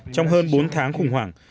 trong hơn bốn tháng khủng hoảng